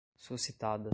suscitadas